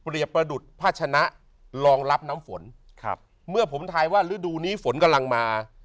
ประดุษภาชนะรองรับน้ำฝนครับเมื่อผมทายว่าฤดูนี้ฝนกำลังมา